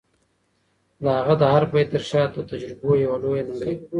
د هغه د هر بیت تر شا د تجربو یوه لویه نړۍ ده.